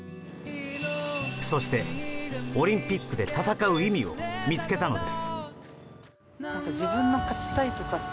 そして、オリンピックで戦う意味を見つけたのです。